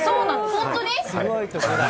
本当に？